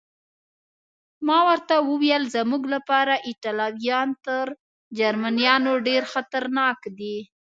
ما ورته وویل: زموږ لپاره ایټالویان تر جرمنیانو ډېر خطرناک دي.